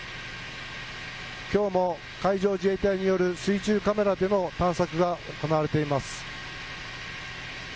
今日も海上自衛隊による水中カメラでの探索が行われています。